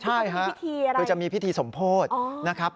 ใช่ค่ะคือจะมีพิธีสมโพธินะครับ